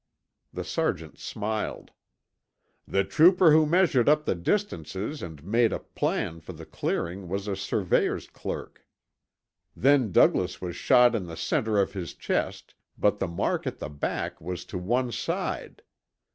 The sergeant smiled. "The trooper who measured up the distances and made a plan of the clearing was a surveyor's clerk. Then Douglas was shot in the center of his chest, but the mark at the back was to one side.